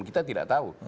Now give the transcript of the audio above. kita tidak tahu